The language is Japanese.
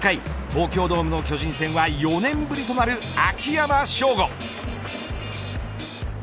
東京ドームの巨人戦は４年ぶりとなる秋山翔吾。